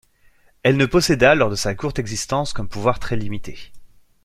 Elle ne posséda, lors de sa courte existence, qu'un pouvoir très limité.